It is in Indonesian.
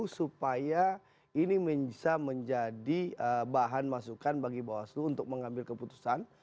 supaya ini bisa menjadi bahan masukan bagi bawaslu untuk mengambil keputusan